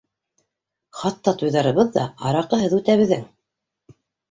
Хатта туйҙарыбыҙ ҙа араҡыһыҙ үтә беҙҙең.